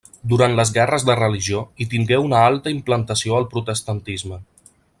Durant les guerres de religió hi tingué una alta implantació el protestantisme.